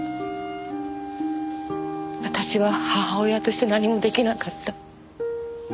私は母親として何もできなかった。